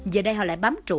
giờ đây họ lại bám trụ